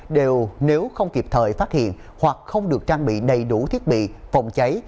đều nếu không kịp thời phát hiện hoặc không được trang bị đầy đủ thiết bị phòng cháy